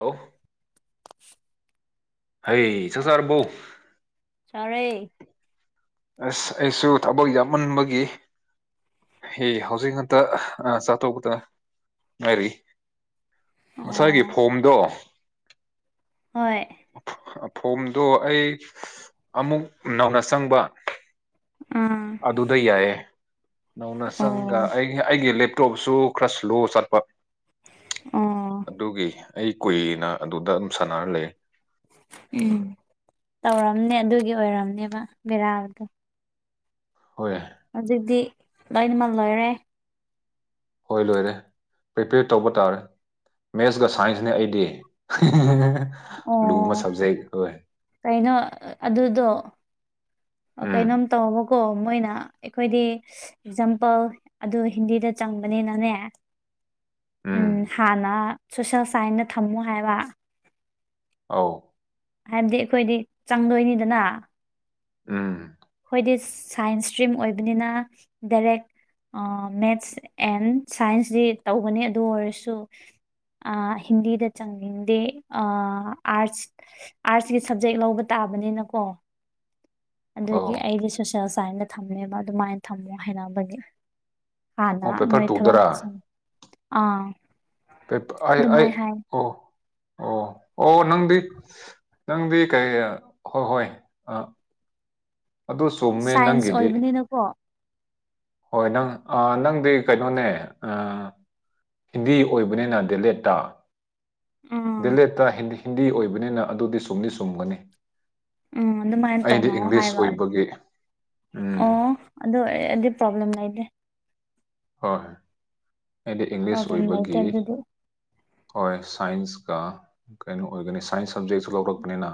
ꯍꯥꯎ ꯍꯩ ꯁꯁꯥꯔꯕꯎ ꯇꯔꯦ ꯑꯁ ꯑꯩꯁꯨ ꯊꯕꯛ ꯌꯥꯝꯃꯟꯕꯒꯤ ꯑꯦ ꯍꯧꯖꯤꯛ ꯉꯇ ꯆꯥꯊꯣꯛꯄꯇ ꯉꯥꯏꯔꯤ ꯉꯁꯥꯏꯒꯤ ꯑꯣ ꯐꯣꯝꯗꯣ ꯍꯣꯏ ꯐꯣꯝꯗꯣ ꯑꯩ ꯑꯃꯨꯛ ꯅꯧꯅ ꯆꯪꯕ ꯑꯥ ꯑꯗꯨꯗ ꯌꯥꯏꯌꯦꯦ ꯅꯧꯅ ꯆꯪꯒ ꯑꯣ ꯑꯩ ꯑꯩꯒꯤ ꯂꯦꯞꯇꯣꯞꯁꯨ ꯈꯔ ꯁ꯭ꯂꯣ ꯆꯠꯄ ꯑꯣ ꯑꯗꯨꯒꯤ ꯑꯩ ꯀꯨꯏꯅ ꯑꯗꯨꯗ ꯑꯗꯨꯝ ꯁꯥꯟꯅꯔ ꯂꯩ ꯎꯝ ꯇꯧꯔꯝꯅꯦ ꯑꯗꯨꯒꯤ ꯑꯣꯏꯔꯝꯅꯦꯕ ꯕꯦꯔꯥꯜꯗꯣ ꯍꯣꯏꯦ ꯑꯗꯨꯗꯤ ꯂꯣꯏꯅꯃꯜ ꯂꯣꯏꯔꯦ ꯍꯣꯏ ꯂꯣꯏꯔꯦ ꯄ꯭ꯔꯤꯄꯦꯌꯔ ꯇꯧꯕ ꯇꯥꯔꯦ ꯃꯦꯠꯁꯀ ꯁꯥꯏꯟꯁꯅꯦ ꯑꯩꯗꯤ ꯂꯨ ꯃ ꯑꯣ ꯁꯞꯖꯩ ꯀꯩꯅꯣ ꯑꯗꯨꯗꯣ ꯀꯩꯅꯣꯝ ꯇꯧꯃꯀꯣ ꯃꯣꯏꯅ ꯑꯩꯈꯣꯏꯗꯤ ꯑꯦꯛꯖꯥꯝꯄꯜ ꯑꯗꯨ ꯍꯤꯟꯗꯤꯗ ꯆꯪꯕꯅꯤꯅꯅꯦ [inaudible] ꯎꯝ ꯍꯥꯟꯅ ꯁꯣꯁꯦꯜ ꯁꯥꯏꯟꯁꯅ ꯊꯝꯃꯣ ꯍꯥꯏꯕ ꯑꯧ ꯍꯥꯏꯕꯗꯤ ꯑꯩꯈꯣꯏꯗꯤ ꯆꯪꯗꯣꯏꯅꯤꯗꯅ ꯎꯝ ꯍꯥꯏꯗꯤ ꯁꯥꯏꯟꯁ ꯏꯁꯇ꯭ꯔꯤꯝ ꯑꯣꯏꯕꯅꯤꯅ ꯗꯥꯏꯔꯦꯛ ꯃꯦꯠꯁ ꯑꯦꯟ ꯁꯥꯏꯟꯁꯇ ꯇꯧꯒꯅꯤ ꯑꯗꯨ ꯑꯣꯏꯔꯁꯨ ꯍꯤꯟꯗꯤꯗ ꯆꯪꯅꯤꯡꯗꯦ ꯑꯥꯔꯠꯁ ꯑꯥꯔꯠꯁꯀꯤ ꯁꯕꯖꯦꯛ ꯂꯧꯕ ꯇꯥꯔ ꯇꯥꯕꯅꯤꯅꯀꯣ ꯑꯗꯨꯒꯤ ꯑꯧ ꯑꯩꯁ ꯁꯣꯁꯦꯜ ꯁꯥꯏꯟꯁꯇ ꯊꯝꯅꯦꯕ ꯑꯗꯨꯃꯥꯏꯅ ꯊꯝꯃꯣ ꯍꯥꯏꯅꯕꯅꯦ ꯍꯥꯟꯗ ꯑꯣ ꯅ ꯄꯦꯄꯔ ꯏ ꯊ ꯋꯥ ꯇꯨꯗꯔꯥ ꯑꯥ ꯄꯤꯄ ꯑ ꯑ ꯑꯗꯨꯃꯥꯏꯅ ꯍꯥꯏ ꯑꯣ ꯑꯣ ꯑꯣ ꯅꯪꯗꯤ ꯅꯪꯗꯤ ꯀꯩ ꯍꯣꯏ ꯍꯣꯏ ꯑ ꯑꯗꯨ ꯆꯨꯝꯃꯦ ꯁꯥꯏꯟꯁ ꯅꯪꯒꯤꯗꯤ ꯑꯣꯏꯕꯅꯤꯅꯀꯣ ꯍꯣꯏ ꯅꯪ ꯅꯪꯗꯤ ꯀꯩꯅꯣꯅꯦ ꯍꯤꯟꯗꯤ ꯑꯣꯏꯕꯅꯤꯅ ꯗꯦꯂꯦꯠꯇ ꯎꯝ ꯗꯤꯂꯦꯠꯇ ꯍꯤꯟꯗꯤ ꯑꯣꯏꯕꯅꯤꯅ ꯑꯗꯨꯗꯤ ꯁꯨꯝꯗꯤ ꯁꯨꯝꯒꯅꯤ ꯎꯝ ꯑꯗꯨꯃꯥꯏꯅ ꯇꯧꯅꯑꯣ ꯍꯥꯏꯕꯂ ꯑꯣꯏꯕꯒꯤ ꯎꯝ ꯑꯣ ꯑꯗꯨ ꯑꯗꯨꯗꯤ ꯄ꯭ꯔꯣꯕ꯭ꯂꯦꯝ ꯂꯩꯇꯦ ꯍꯣꯏꯣꯏ ꯑꯩꯗꯤ ꯏꯪꯂꯤꯁ ꯄ꯭ꯔꯣꯕ꯭ꯂꯦꯝ ꯂꯩꯇꯦ ꯑꯣꯏꯕꯒꯤ ꯑꯗꯨꯗꯤ ꯍꯣꯏ ꯁꯥꯏꯟꯁꯀ ꯀꯩꯅꯣ ꯑꯣꯏꯒꯅꯤ ꯁꯥꯏꯟꯁ ꯁꯕꯖꯦꯛ ꯂꯧꯔꯛꯄꯅꯤꯅ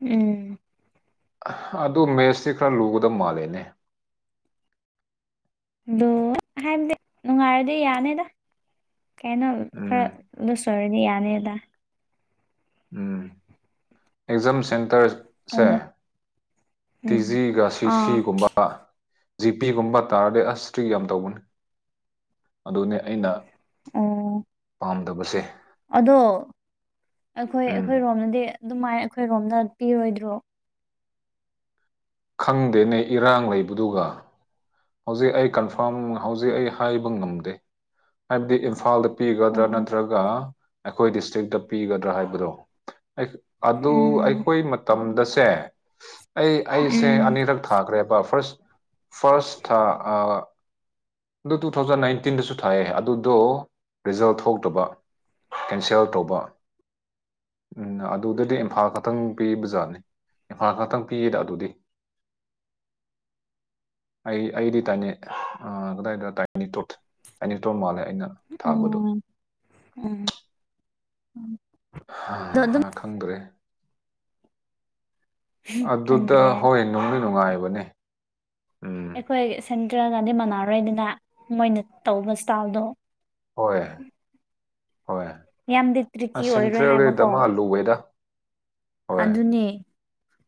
ꯎꯝ ꯑꯗꯨ ꯃꯦꯁꯁꯤ ꯈꯔ ꯂꯨꯒꯗꯕ ꯃꯥꯜꯂꯦꯅꯦ ꯑꯗꯨ ꯍꯥꯏꯕꯗꯤ ꯅꯨꯡꯉꯥꯏꯔꯗꯤ ꯌꯥꯅꯤꯗ ꯀꯩꯅꯣ ꯈꯔ ꯎꯝ ꯂꯨꯆꯔꯗꯤ ꯌꯥꯅꯤꯗ ꯎꯝ ꯑꯦꯛꯖꯥꯝ ꯁꯦꯟꯇꯔꯁꯦ ꯀꯩꯅꯣ ꯎꯝ ꯇꯤꯖꯤꯒ ꯑꯥ ꯁꯤꯁꯤꯒꯨꯝꯕ ꯖꯤꯄꯤꯒꯨꯝꯕ ꯇꯥꯔꯗꯤ ꯑꯁ ꯁꯇ꯭ꯔꯤꯛ ꯌꯥꯝ ꯇꯧꯕꯅꯤ ꯑꯗꯨꯅꯦ ꯑꯩꯅ ꯑꯣ ꯄꯥꯝꯗꯕꯁꯦ ꯑꯗꯣ ꯑꯩꯈꯣꯏ ꯎꯝ ꯑꯩꯈꯣꯏꯔꯣꯝꯗꯗꯤ ꯑꯗꯨꯃꯥꯏ ꯑꯩꯈꯣꯏꯔꯣꯝꯗ ꯄꯤꯔꯣꯏꯗ꯭ꯔꯣ ꯈꯪꯗꯦꯅꯦ ꯏꯔꯥꯡ ꯂꯩꯕꯗꯨꯒ ꯍꯧꯖꯤꯛ ꯑꯩ ꯀꯟꯐ ꯄꯝ ꯍꯧꯖꯤꯛ ꯑꯩ ꯍꯥꯏꯕ ꯉꯝꯗꯦ ꯍꯥꯏꯕꯗꯤ ꯏꯝꯐꯥꯜꯗ ꯄꯤꯒꯗ꯭ꯔꯥ ꯑꯣ ꯅꯠꯇ꯭ꯔꯒ ꯑꯩꯈꯣꯏ ꯗꯤꯁꯇ꯭ꯔꯤꯛꯇ ꯄꯤꯒꯗ꯭ꯔꯥ ꯍꯥꯏꯕꯗꯣ ꯑꯗꯨ ꯎꯝ ꯑꯩꯈꯣꯏ ꯃꯇꯝꯗꯁꯦ ꯑꯩ ꯑꯩꯁꯦ ꯎꯝ ꯑꯅꯤꯔꯛ ꯊꯥꯈ꯭ꯔꯦꯕ ꯐꯥꯔꯁ ꯐꯥꯔꯁ ꯊꯥ ꯑ ꯑꯗꯨ ꯇꯨ ꯊꯧꯖꯟ ꯅꯥꯏꯟꯇꯤꯟꯗꯁꯨ ꯊꯥꯏꯑꯦ ꯑꯗꯨꯗꯣ ꯔꯤꯖꯜꯠ ꯊꯣꯛꯇꯕ ꯀꯦꯟꯁꯦꯜ ꯇꯧꯕ ꯎꯝ ꯑꯗꯨꯗꯗꯤ ꯏꯝꯐꯥꯜ ꯈꯛꯇꯪ ꯄꯤꯕꯖꯥꯠꯅꯤ ꯏꯝꯐꯥꯜ ꯈꯛꯇꯪ ꯄꯤꯌꯦꯗ ꯑꯗꯨꯗꯤ ꯑꯩ ꯑꯩꯗꯤ ꯇꯥꯏꯅꯦ ꯑ ꯑꯗꯥꯗ ꯇꯥꯏꯅꯤ ꯇꯣꯠ ꯇꯥꯏꯅꯤꯇꯣꯠ ꯃꯥꯜꯦ ꯎꯝ ꯎꯝ ꯑꯗꯣ ꯑꯗꯨꯝ ꯑ ꯈꯪꯗ꯭ꯔꯦ ꯑꯗꯨꯗ ꯈꯪꯗ꯭ꯔꯦ ꯍꯣꯏ ꯅꯨꯡꯗꯤ ꯅꯨꯡꯉꯥꯏꯕꯅꯦ ꯎꯝ ꯑꯩꯈꯣꯏ ꯁꯦꯟꯇ꯭ꯔꯦꯜꯅꯗꯤ ꯃꯅꯥꯔꯣꯏꯗꯅ ꯃꯣꯏꯅ ꯇꯧꯕ ꯏꯁꯇꯥꯥꯏꯜꯗꯣ ꯍꯣꯏ ꯍꯣꯏ ꯌꯥꯝꯗꯤ ꯑ ꯇ꯭ꯔꯤꯛꯀꯤ ꯑꯣꯏꯔꯣꯏ ꯁꯦꯟꯇ꯭ꯔꯦꯜ ꯗꯤ ꯍꯥꯏꯕꯀꯣ ꯗꯃꯥ ꯂꯨꯋꯦꯗ ꯍꯣꯏ ꯑꯗꯨꯅꯦ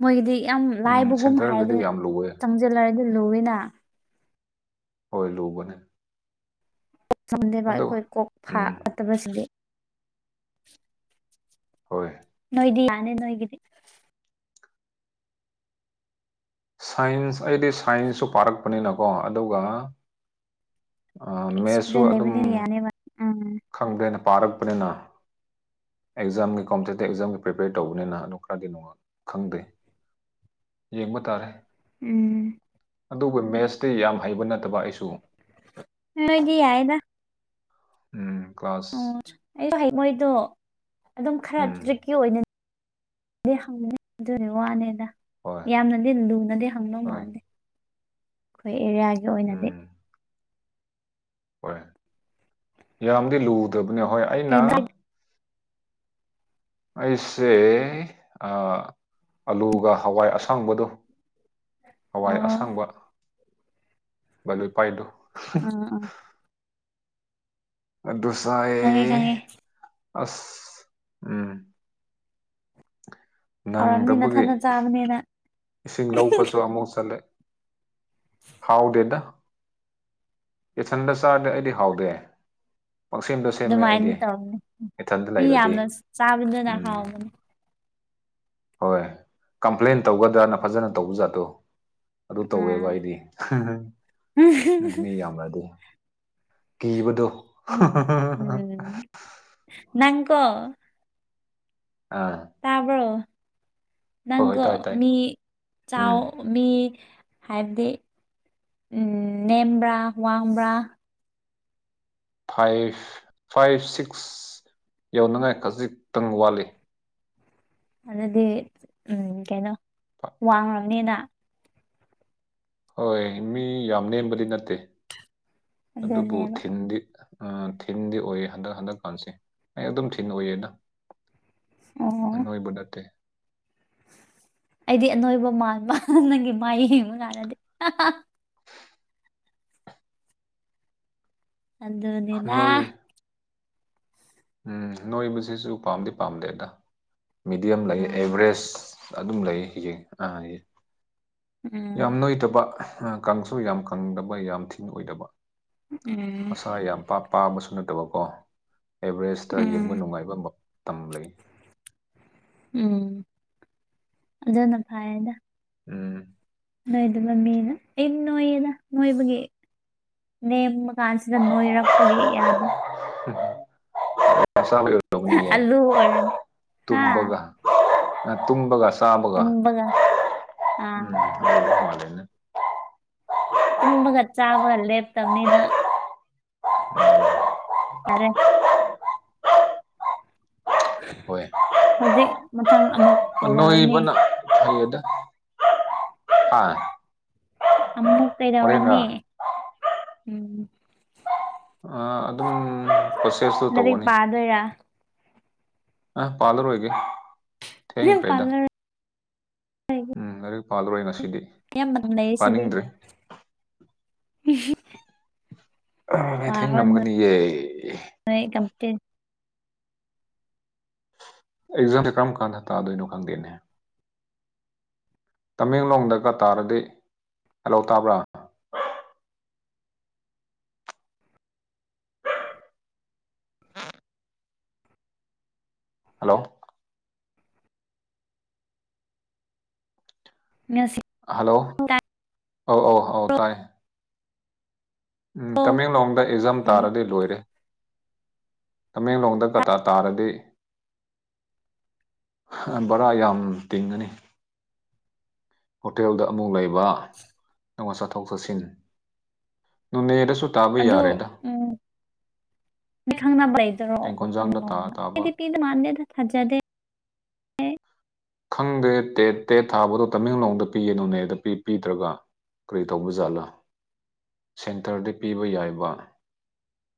ꯃꯣꯏꯒꯤꯗꯤ ꯌꯥꯝ ꯎꯝ ꯂꯥꯏꯕꯒꯨꯝ ꯁꯦꯟꯇ꯭ꯔꯦꯜꯒꯤꯗꯤ ꯍꯥꯏꯔꯗꯤ ꯌꯥꯝ ꯂꯨꯋꯦ ꯆꯪꯁꯤꯜꯂꯔꯗꯤ ꯂꯨꯌꯦꯅ ꯍꯣꯏ ꯂꯨꯕꯅꯦ ꯆꯝꯗꯦꯕ ꯑꯗꯨ ꯑꯩꯈꯣꯏ ꯀꯣꯛ ꯎꯝ ꯐꯥꯠꯇꯕꯁꯤꯗꯤ ꯍꯣꯏ ꯅꯣꯏꯗꯤ ꯌꯥꯅꯤ ꯅꯣꯏꯒꯗꯤ ꯁꯥꯏꯟꯁ ꯑꯩꯗꯤ ꯁꯥꯏꯟꯁꯁꯨ ꯄꯥꯔꯛꯄꯅꯤꯅꯀꯣ ꯑꯗꯨꯒ ꯑꯥ ꯃꯦꯠꯁꯁꯨ ꯑꯦꯛꯁꯄꯤꯔꯦꯟꯁ ꯑꯗꯨꯝ ꯂꯩꯕꯅꯤꯅ ꯌꯥꯅꯤꯕ ꯄꯔꯛꯄꯅꯦꯅ ꯑꯦꯛꯖꯥꯝꯒꯤ ꯀꯣꯝꯄꯤꯇꯤꯇꯤꯞ ꯑꯦꯛꯖꯥꯝꯒꯤ ꯄ꯭ꯔꯤꯄꯦꯌꯔ ꯇꯧꯕꯅꯤꯅ ꯑꯗꯨ ꯈꯔꯗꯤ ꯈꯪꯗꯦ ꯌꯦꯡꯕ ꯇꯥꯔꯦ ꯎꯝ ꯑꯗꯨꯕꯨ ꯃꯦꯠꯁꯇꯤ ꯌꯥꯝ ꯍꯩꯕ ꯅꯠꯇꯕ ꯑꯩꯁꯨ ꯃꯤꯗꯤ ꯌꯥꯏꯌꯦꯗ ꯎꯝ ꯀ꯭ꯂꯥꯁ ꯑꯩꯁꯨ ꯍꯩ ꯃꯣꯏꯗꯣ ꯑꯗꯨꯝ ꯈꯔ ꯎꯝ ꯇ꯭ꯔꯤꯛꯀꯤ ꯑꯣꯏꯅ ꯗꯤ ꯍꯪꯕꯅꯦ ꯑꯗꯨꯅꯦ ꯋꯥꯅꯦꯗ ꯍꯣꯏ ꯌꯥꯝꯅꯗꯤ ꯂꯨꯅꯗꯤ ꯍꯪꯗꯧ ꯍꯣꯏ ꯃꯥꯟꯗꯦ ꯑꯈꯣꯏ ꯑꯦꯔꯤꯌꯥꯒꯤ ꯑꯣꯏꯅꯗꯤ ꯎꯝ ꯍꯣꯏ ꯌꯥꯝꯗꯤ ꯂꯨꯗꯕꯅꯦ ꯍꯣꯏ ꯑꯩꯅ ꯀꯩ ꯑꯩꯁꯦ ꯑ ꯑꯂꯨꯒ ꯍꯋꯥꯏ ꯑꯁꯥꯡꯕꯗꯨ ꯑꯣ ꯍꯋꯥꯏ ꯑꯥ ꯑꯁꯥꯡꯕ ꯕꯂꯣꯏ ꯄꯥꯏꯗꯨ ꯑ ꯑ ꯑꯗꯨ ꯆꯥꯏ ꯈꯪꯉꯦ ꯈꯪꯉꯦ ꯑꯁ ꯎꯝ ꯍꯧꯔꯝꯅꯤ ꯅꯪꯗꯕꯒꯤ ꯅꯊꯟꯗ ꯆꯥꯕꯅꯤꯅ ꯏꯁꯤꯡ ꯂꯧꯕꯁꯨ ꯑꯃꯨꯛ ꯆꯠꯂꯦ ꯍꯥꯎꯗꯦꯗ ꯏꯊꯟꯗ ꯆꯥꯔꯗꯤ ꯑꯩꯗꯤ ꯍꯥꯎꯗꯦ ꯄꯥꯛꯁꯦꯝꯗꯣ ꯁꯦꯝꯃꯦ ꯑꯩꯗꯤ ꯑꯗꯨꯃꯥꯏꯅꯗꯤ ꯇꯧꯔꯝꯅꯤ ꯏꯊꯟꯗ ꯃꯤ ꯂꯩꯔꯗꯤ ꯌꯥꯝꯅ ꯆꯥꯕꯗꯨꯅ ꯎꯝ ꯍꯥꯎꯕꯅꯦ ꯍꯣꯏ ꯀꯝꯄ꯭ꯂꯦꯟ ꯇꯧꯒꯗ꯭ꯔꯥꯅ ꯐꯖꯅ ꯇꯧꯕꯖꯥꯠꯇꯣ ꯑꯗꯨ ꯇꯧꯋꯦꯕ ꯑꯥ ꯑꯩꯗꯤ ꯎꯝ ꯃꯤ ꯌꯥꯝꯃꯗꯤ ꯀꯤꯕꯗꯣ ꯎꯝ ꯅꯪꯀꯣ ꯑꯥ ꯇꯕ꯭ꯔꯣ ꯍꯣꯏ ꯍꯣꯏ ꯅꯪꯒ ꯇꯥꯏ ꯇꯥꯏ ꯃꯤ ꯆꯥꯎ ꯎꯝ ꯃꯤ ꯍꯥꯏꯕꯗꯤ ꯎꯝ ꯅꯦꯝꯕ꯭ꯔꯥ ꯋꯥꯡꯕ꯭ꯔꯥ ꯐꯥꯏꯚ ꯐꯥꯏꯚ ꯁꯤꯛꯁ ꯌꯧꯅꯉꯥꯏ ꯈꯖꯤꯛꯇꯪ ꯋꯥꯠꯂꯤ ꯑꯗꯨꯗꯤ ꯎꯝ ꯀꯩꯅꯣ ꯋꯥꯡꯉꯅꯤꯅ ꯍꯣꯏ ꯃꯤ ꯌꯥꯝ ꯅꯦꯝꯕꯗꯤ ꯅꯠꯇꯦ ꯑꯗꯨꯕꯨ ꯑꯗꯨꯅꯦꯕ ꯊꯤꯟꯗꯤ ꯊꯤꯟꯗꯤ ꯑꯣꯏꯌꯦ ꯍꯟꯗꯛ ꯍꯟꯗꯛꯀꯥꯟꯁꯦ ꯑꯩ ꯑꯗꯨꯝ ꯊꯤꯟ ꯑꯣꯏꯌꯦꯅ ꯑꯣ ꯅꯣꯏꯕ ꯅꯠꯇꯦ ꯑꯩꯗꯤ ꯑꯅꯣꯏꯕ ꯃꯥꯟꯕ ꯅꯪꯒꯤ ꯃꯥꯏ ꯌꯦꯡꯕ ꯀꯥꯟꯅꯗꯦ ꯑꯗꯅꯦꯗꯥ ꯅꯣꯏ ꯎꯝ ꯅꯣꯏꯕꯁꯤꯁꯨ ꯄꯥꯝꯗꯤ ꯄꯥꯝꯗꯦꯗ ꯃꯤꯗꯤꯌꯝ ꯂꯩ ꯎꯝ ꯑꯦꯚꯔꯦꯖ ꯑꯗꯨꯝ ꯂꯩꯌꯦ ꯍꯡ ꯑꯥ ꯌꯥꯝ ꯎꯝ ꯅꯣꯏꯗꯕ ꯀꯪꯁꯨ ꯌꯥꯝ ꯀꯪꯗꯕ ꯌꯥꯝ ꯊꯤꯅ ꯑꯣꯏꯗꯕ ꯎꯝ ꯃꯁꯥ ꯌꯥꯝ ꯄꯥꯕꯁꯨ ꯅꯠꯇꯕꯀꯣ ꯑꯦꯕꯔꯦꯁꯇ ꯌꯦꯡꯕ ꯎꯝ ꯅꯨꯡꯉꯥꯏꯕ ꯇꯝꯂ ꯎꯝ ꯑꯗꯨꯗꯅ ꯐꯗ ꯎꯝ ꯅꯣꯏꯗꯨ ꯃ ꯃꯤꯅ ꯑꯩ ꯅꯣꯏꯌꯦꯗ ꯅꯣꯏꯕꯒꯤ ꯅꯦꯝꯕ ꯀꯥꯟꯁꯤꯗ ꯅꯣꯏꯔꯛꯄꯒꯤ ꯌꯥꯗꯦ ꯁꯥꯅꯒ ꯂꯧꯅꯤꯌꯦ ꯑꯂꯨ ꯑꯣꯏꯔꯅꯤ ꯍꯥ ꯇꯨꯝꯕꯒ ꯑ ꯇꯨꯝꯒ ꯁꯥꯕꯒ ꯇꯨꯝꯕꯒ ꯑꯥ ꯎꯝ [unintelligible] ꯇꯨꯝꯕꯒ ꯆꯥꯕꯒ ꯂꯦꯞꯇꯕꯅꯤꯅ ꯎꯝ [unintelligible] ꯐꯔꯦ ꯍꯣꯏ ꯍꯧꯖꯤꯛ ꯃꯊꯪ ꯑꯃꯨꯛ ꯀꯩꯗꯧꯔꯅꯤ ꯅꯣꯏꯕꯅ ꯐꯩ ꯑꯥ ꯑꯃꯨꯛ ꯀꯩꯗ ꯋꯥꯅꯤ ꯎꯝ ꯑ ꯑꯗꯨꯝ ꯄ꯭ꯔꯣꯁꯦꯁꯇꯨ ꯂꯢꯔꯤꯛ ꯄꯥꯗꯣꯏꯔ ꯑ ꯄꯥꯔꯣꯏꯒꯦ ꯊꯦꯡꯈ꯭ꯔꯦꯗ ꯄꯥꯔꯔꯣꯏ ꯎꯝ ꯍ ꯂꯣꯏꯅꯁꯤ ꯌꯦꯃ ꯊ ꯌꯦꯁꯤꯗꯤ ꯃꯊꯦꯡ ꯅꯝꯒꯅꯤꯌꯦ ꯅꯣꯏ ꯀꯝꯄ꯭ꯂꯤꯠ ꯑꯦꯛꯖꯥꯝ ꯀꯔꯝ ꯀꯥꯟꯗ ꯇꯥꯗꯣꯏꯅꯣ ꯈꯪꯗꯦꯅꯦ ꯇꯃꯦꯡꯂꯣꯡꯗꯒ ꯇꯥꯔꯗꯤ ꯍꯂꯣ ꯇꯥꯕ꯭ꯔꯥ ꯍꯜꯂꯣ ꯃ ꯍꯜꯂꯣ ꯑ ꯑ ꯑꯧ ꯇꯥꯔꯣ ꯇꯥꯏ ꯎ ꯇꯃꯦꯡꯂꯣꯡꯗ ꯑꯦꯛꯖꯝ ꯇꯥꯔꯗꯤ ꯂꯣꯏꯔꯦ ꯇꯃꯦꯡꯂꯣꯡꯗꯒ ꯇꯥꯔꯗꯤ ꯕꯔꯥ ꯌꯥꯝ ꯇꯤꯡꯉꯅꯤ ꯍꯣꯇꯦꯜꯗ ꯑꯃꯨꯛ ꯂꯩꯕ ꯅꯪꯃ ꯆꯠꯊꯣꯛ ꯆꯠꯁꯤꯟ ꯅꯅꯦꯗ ꯑꯗꯨꯗꯣ ꯎ ꯃꯤ ꯈꯪꯅꯕ ꯂꯩꯗꯔꯣ ꯇꯦꯡꯈꯣꯟꯖꯥꯡꯗ ꯇꯝꯣ ꯇꯥ ꯇꯥꯕ ꯑꯩꯗꯤ ꯄꯤꯗ ꯃꯥꯟꯗꯦꯗ ꯊꯥꯖꯗꯦ ꯑꯦ ꯈꯪꯗꯦ ꯇꯦꯠ ꯊꯥꯕꯗꯣ ꯇꯃꯦꯡꯂꯣꯡꯗ ꯄꯤꯌꯦꯅꯨꯅꯦꯗ ꯄꯤꯗ꯭ꯔꯒ ꯀꯔꯤ ꯇꯧꯕ ꯖꯥꯠꯂꯥ ꯁꯦꯟꯇꯔꯗ ꯄꯤꯕ ꯌꯥꯏꯕ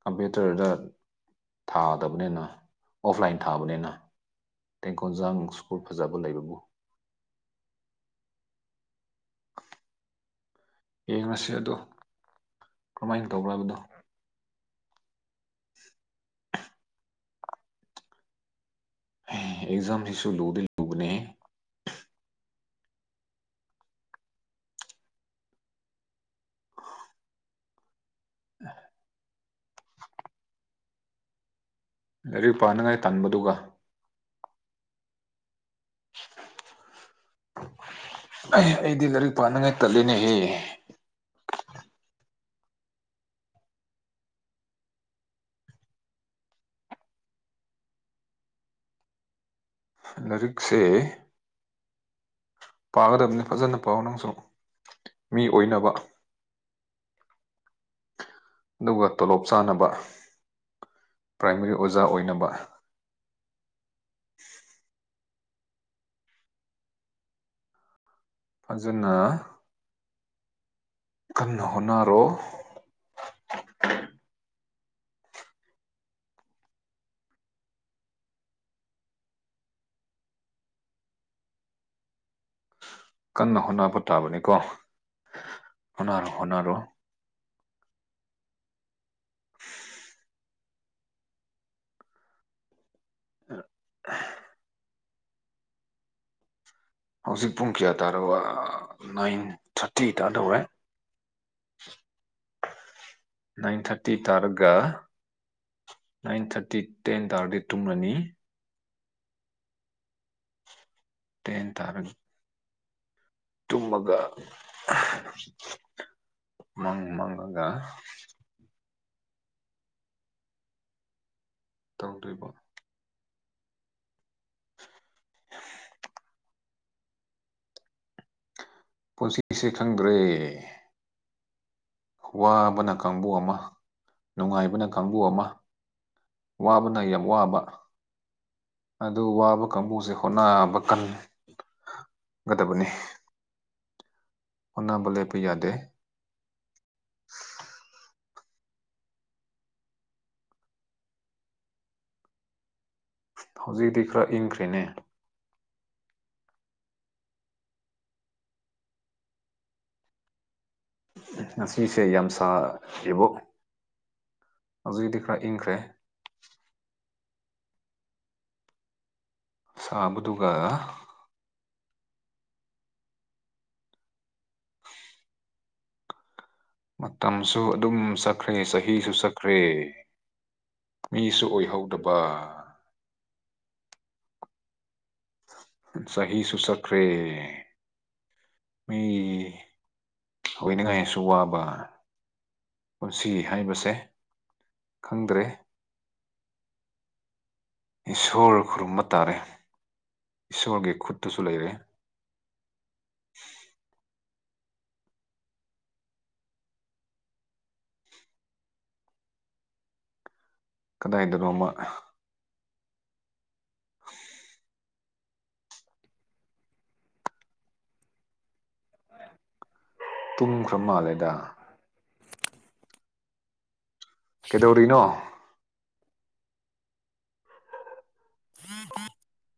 ꯀꯝꯄ꯭ꯌꯨꯇꯔꯗ ꯊꯥꯗꯕꯅꯤꯅ ꯑꯣꯐꯂꯥꯏꯟ ꯊꯥꯕꯅꯤꯅ ꯇꯦꯡꯀꯣꯟꯖ ꯁ꯭ꯀꯨꯨꯔ ꯐꯖꯕ ꯂꯩꯕꯕꯨ [inaudible] [unintelligible] ꯌꯦꯡꯉꯁꯤ ꯑꯗꯣ ꯀꯔꯝꯍꯥꯏꯅ ꯇꯧꯕ꯭ꯔꯕꯅꯣ ꯑꯦꯖꯝ ꯍꯁꯨ ꯂꯨꯗ ꯂꯨꯕꯅꯦ ꯑ ꯌꯥꯔꯤ ꯄꯥꯅꯉꯥꯏ ꯇꯥꯟꯕꯗꯨꯒ ꯑꯩꯗꯤ ꯂꯥꯏꯔꯤꯛ ꯄꯥꯅꯤꯡꯉꯥꯏ ꯇꯠꯂꯤꯅꯦꯍ ꯂꯔꯤꯛꯁꯦ ꯄꯥꯒꯗꯕꯅꯤ ꯐꯖꯅ ꯄꯥꯎ ꯅꯪꯁꯨ ꯃꯤ ꯑꯣꯏꯅꯕ ꯑꯗꯨꯒ ꯇꯣꯂꯣꯞ ꯆꯥꯅꯕ ꯄ꯭ꯔꯥꯏꯃꯥꯔꯤ ꯑꯣꯖꯥ ꯑꯣꯏꯅꯕ ꯐꯖꯅ ꯀꯟꯅ ꯍꯣꯅꯔꯣ ꯀꯟꯅ ꯍꯣꯠꯅꯕ ꯇꯥꯕꯅꯤꯀꯣ ꯍꯣꯅꯔꯣ ꯍꯣꯠꯅꯔꯣ ꯑ ꯍꯧꯖꯤꯛ ꯄꯨꯡ ꯀꯌꯥ ꯇꯥꯔꯕ ꯅꯥꯏꯟ ꯊꯥꯔꯇꯤ ꯇꯗꯧꯋꯦ [inaudible] [unintelligible] ꯅꯏꯟ ꯊꯥꯔꯇꯤ ꯇꯥꯔꯒ ꯅꯥꯏꯟ ꯊꯥꯔꯇꯤ ꯇꯦꯟ ꯇꯥꯔꯗꯤ ꯇꯨꯝꯂꯅꯤ ꯇꯦꯟ ꯇꯥꯔꯒ ꯇꯨꯝꯃꯒ ꯃꯪ ꯃꯪꯉꯒ ꯇꯧꯗ꯭ꯔꯤꯔꯤꯕꯣ ꯄꯨꯟꯁꯤꯁꯦ ꯈꯪꯕ꯭ꯔꯦ ꯋꯥꯕꯅ ꯀꯥꯡꯕꯨ ꯑꯃ ꯅꯨꯡꯉꯥꯏꯕꯅ ꯀꯥꯡꯕꯨ ꯑꯃ ꯋꯥꯕꯅ ꯌꯥꯝ ꯋꯥꯕ ꯑꯗꯨ ꯋꯥꯕ ꯀꯥꯡꯕꯨꯁꯦ ꯍꯣꯠꯅꯕ ꯀꯟ ꯒꯗꯕꯅꯤ ꯑꯣꯅꯥꯕ ꯂꯦꯞꯄ ꯌꯥꯗꯦ [inaudible] [unintelligible] ꯍꯧꯖꯤꯛꯇꯤ ꯈꯔ ꯏꯪꯈ꯭ꯔꯦꯅꯦ ꯉꯁꯤꯁꯦ ꯌꯥꯝ ꯁꯥ ꯏꯕꯣ ꯍꯧꯖꯤꯣꯏꯗꯤ ꯈꯔ ꯏꯪꯈ꯭ꯔꯦ ꯁꯥꯕꯨꯨꯗꯨꯒ ꯃꯇꯝꯁꯨ ꯑꯗꯨꯝ ꯆꯛꯈ꯭ꯔꯦ ꯆꯍꯤꯁꯨ ꯆꯛꯈ꯭ꯔꯦ ꯃꯤꯁꯨ ꯑꯣꯏꯍꯧꯗꯕ ꯁꯍꯤ ꯁꯨꯁꯛ ꯔꯦ ꯃꯤ ꯑꯣꯏꯅꯅꯤꯡꯉꯥꯏꯁꯨ ꯋꯥꯕ ꯄꯨꯟꯁꯤ ꯍꯥꯏꯕꯁꯦ ꯈꯪꯗ꯭ꯔꯦ ꯏꯁꯣꯔ ꯈꯨꯔꯨꯝꯕ ꯇꯥꯔꯦ ꯏꯁꯣꯔꯒꯤ ꯈꯨꯠꯇꯨꯁꯨ ꯂꯩꯔꯦ ꯀꯗꯥꯏꯗꯅꯣꯃ ꯎ ꯇꯨꯝꯈ꯭ꯔ ꯃꯥꯜꯂꯦꯗ ꯀꯩꯗꯧꯔꯤꯅꯣ ꯎꯝ ꯎꯝ [unintelligible]